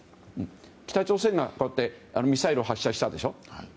北朝鮮がミサイルを発射したでしょ。